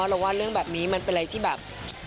เราว่าเรื่องแบบนี้มันเป็นอะไรที่แบบ